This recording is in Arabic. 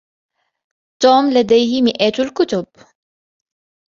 توم لديه مئات الكتب.